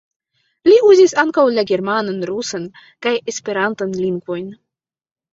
Li uzis ankaŭ la germanan, rusan kaj esperantan lingvojn.